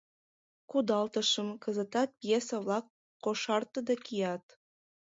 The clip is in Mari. Кудалтышым, кызытат пьеса-влак кошартыде кият.